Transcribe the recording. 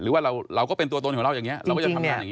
หรือว่าเราก็เป็นตัวตนของเราอย่างนี้เราก็จะทำงานอย่างนี้